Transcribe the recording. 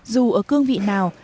dù ở cương vị nào